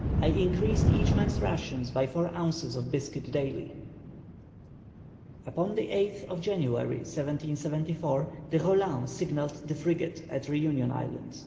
I increased each man's rations by four ounces of biscuit daily." Upon the 8th of January, 1774, the Roland signalled the frigate at Re union Island.